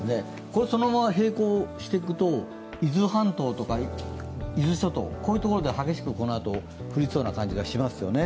これ、そのまま並行していくと伊豆半島とか伊豆諸島で激しくこのあと降りそうな感じしますよね。